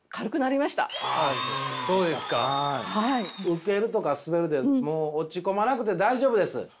ウケるとかスベるでもう落ち込まなくて大丈夫です。